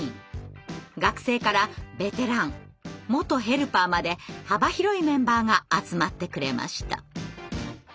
学生からベテラン元ヘルパーまで幅広いメンバーが集まってくれました。